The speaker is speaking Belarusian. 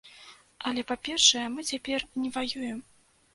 Але, па-першае, мы цяпер не ваюем.